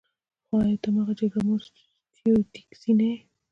خو ایا ته هماغه جګړه مار سټیو ډیکسي نه یې